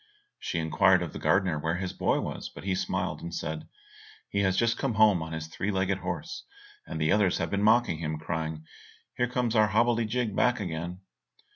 She inquired of the gardener where his boy was, but he smiled, and said, "He has just come home on his three legged horse, and the others have been mocking him, and crying, "Here comes our hobblety jig back again!"